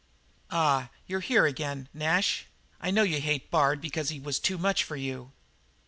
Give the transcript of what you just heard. "Ah, you're here again, Nash? I know you hate Bard because he was too much for you."